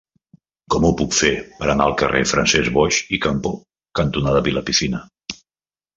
Com ho puc fer per anar al carrer Francesc Boix i Campo cantonada Vilapicina?